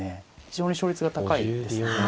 非常に勝率が高いですよね。